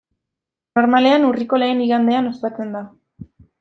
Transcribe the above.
Normalean urriko lehen igandean ospatzen da.